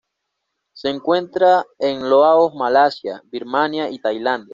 Se encuentra en Laos Malasia, Birmania y Tailandia.